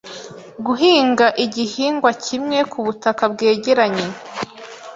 Guhinga igihingwa kimwe ku butaka bwegeranye.